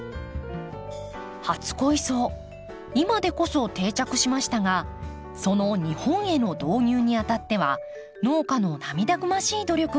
初恋草今でこそ定着しましたがその日本への導入にあたっては農家の涙ぐましい努力がありました。